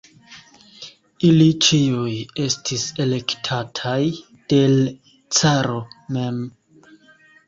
Ili ĉiuj estis elektataj de l' caro mem.